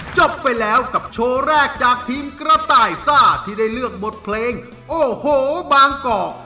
จบไปแล้วกับโชว์แรกจากทีมกระต่ายซ่าที่ได้เลือกบทเพลงโอ้โหบางกอก